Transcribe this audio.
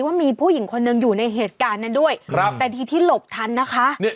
ว่ามีผู้หญิงคนหนึ่งอยู่ในเหตุการณ์นั้นด้วยครับแต่ทีที่หลบทันนะคะ